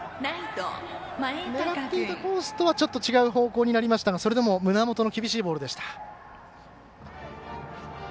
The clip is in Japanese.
狙っていたコースとはちょっと違う方向になりましたがそれでも胸元の厳しいボールでした。